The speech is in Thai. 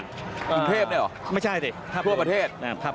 กรุงเทพฯนี่หรอทั่วประเทศไม่น้อยกว่า๒๕